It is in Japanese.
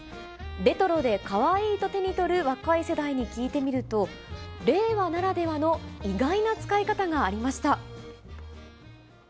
レトロでかわいいと手に取る若い世代に聞いてみると、令和ならではの意外な使い方がありました。